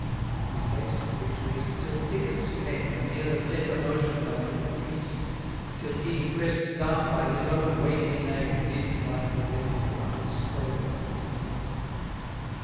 34 His latest victories still thickest came, As near the centre motion doth increase; Till he, press'd down by his own weighty name, Did, like the vestal, under spoils decease.